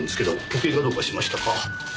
時計がどうかしましたか？